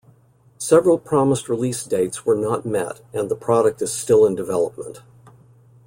Several promised release dates were not met and the product is still in development.